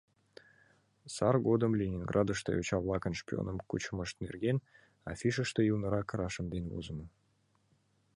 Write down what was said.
«Сар годым Ленинградыште йоча-влакын шпионым кучымышт нерген», — афишыште ӱлнырак рашемден возымо.